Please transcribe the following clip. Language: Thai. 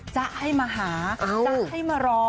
จะให้มาหาจ๊ะให้มารอ